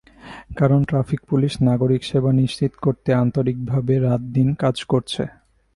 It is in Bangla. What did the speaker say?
কারণ, ট্রাফিক পুলিশ নাগরিক সেবা নিশ্চিত করতে আন্তরিকভাবে রাত-দিন কাজ করছে।